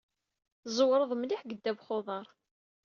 Tẓewreḍ mliḥ deg ddabex uḍar.